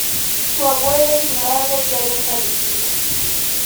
Su abuela y su madre ya habían fallecido.